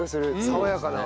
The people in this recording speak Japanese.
爽やかな。